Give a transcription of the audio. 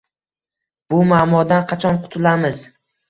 Bu muammodan qachon qutulamiz?